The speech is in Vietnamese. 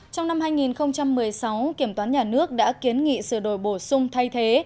trong năm hai nghìn một mươi sáu kiểm toán nhà nước đã kiến nghị sửa đổi bổ sung thay thế